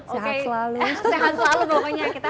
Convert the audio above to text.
sehat selalu sehat selalu pokoknya